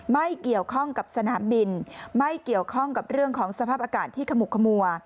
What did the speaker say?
ไม่เกี่ยวข้องกับสนามบินไม่เกี่ยวข้องกับเรื่องของสภาพอากาศที่ขมุกขมัว